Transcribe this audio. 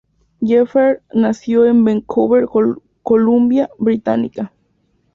Jeffery nació en Vancouver, Columbia Británica.